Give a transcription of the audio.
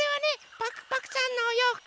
パクパクさんのおようふく。